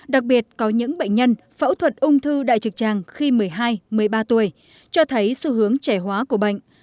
đặc biệt có những bệnh nhân phẫu thuật ung thư đại trực tràng khi một mươi hai một mươi ba tuổi cho thấy xu hướng trẻ hóa của bệnh